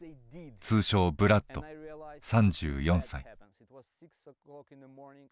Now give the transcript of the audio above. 通称ブラッド３４歳。